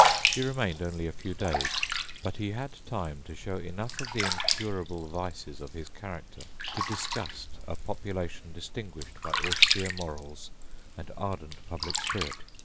He remained only a few days; but he had time to show enough of the incurable vices of his character to disgust a population distinguished by austere morals and ardent public spirit.